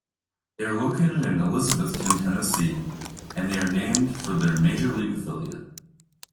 They are located in Elizabethton, Tennessee, and are named for their major league affiliate.